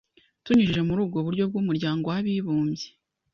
tunyujije muri ubwo buryo bw’Umuryango w’Abibumbye,